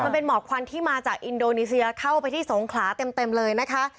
มันเป็นหมอกควันที่มาจากอินโดนีเซียเข้าไปที่สงขลาเต็มเลยนะคะ